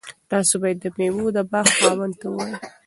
تاسي باید د میوو د باغ خاوند ته ووایئ.